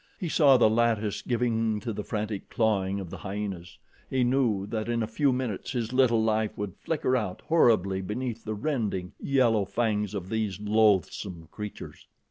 He saw the lattice giving to the frantic clawing of the hyenas. He knew that in a few minutes his little life would flicker out horribly beneath the rending, yellow fangs of these loathsome creatures.